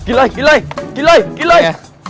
เลยกินเลยกินเลยกินเลย